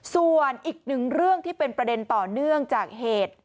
ส่วนอีกหนึ่งเรื่องที่เป็นประเด็นต่อเนื่องจากเหตุ